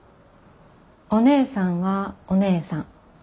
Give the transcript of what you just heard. お姉さんはお姉さん。